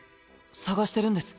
捜してるんです。